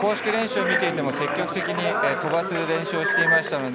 公式練習を見ていても積極的に飛ばす練習をしていました。